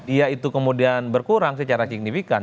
iya itu kemudian berkurang secara signifikan